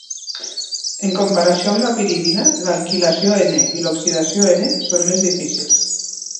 En comparació amb la piridina, l'alquilació "N" i l'oxidació "N" són més difícils.